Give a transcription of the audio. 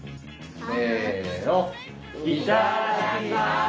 せの。